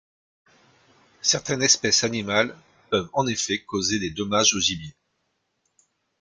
Certaines espèces animales peuvent en effet causer des dommages au gibier.